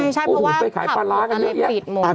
ใช่เพราะว่าขับปลูกอะไรปิดหมด